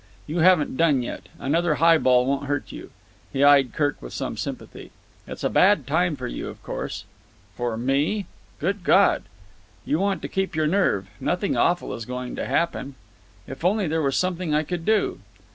You haven't done yet. Another highball won't hurt you." He eyed Kirk with some sympathy. "It's a bad time for you, of course." "For me? Good God!" "You want to keep your nerve. Nothing awful is going to happen." "If only there was something I could do."